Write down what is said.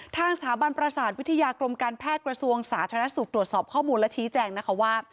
ทางสถาบันประสาทวิทยากรมการแพทย์กระทรวงสาธารณสุขตรวจสอบข้อมูลและชี้แจงนะคะว่า